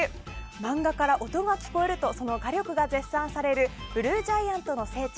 漫画から音が聞こえるとその画力が絶賛される「ＢＬＵＥＧＩＡＮＴ」の聖地